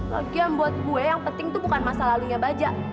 lagian buat gue yang penting tuh bukan masalah alunya baja